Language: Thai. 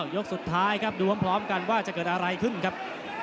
ยกสุดท้ายครับดูพร้อมกันว่าจะเกิดอะไรขึ้นครับ